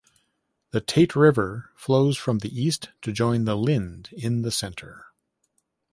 The "Tate River" flows from the east to join the "Lynd" in the centre.